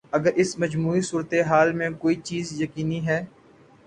اگر اس مجموعی صورت حال میں کوئی چیز یقینی ہے۔